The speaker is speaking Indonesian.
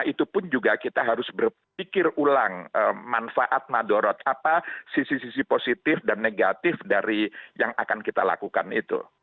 itu pun juga kita harus berpikir ulang manfaat madorot apa sisi sisi positif dan negatif dari yang akan kita lakukan itu